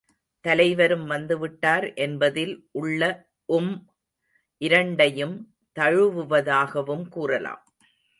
தலைவரும் வந்து விட்டார் என்பதில் உள்ள உம் இரண்டையும் தழுவுவதாகவும் கூறலாம்.